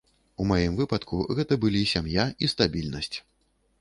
У маім выпадку гэта былі сям'я і стабільнасць.